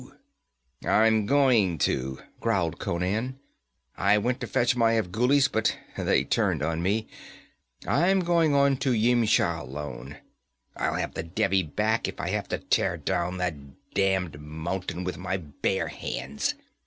'I'm going to,' growled Conan. 'I went to fetch my Afghulis, but they've turned on me. I'm going on to Yimsha alone. I'll have the Devi back if I have to tear down that damned mountain with my bare hands.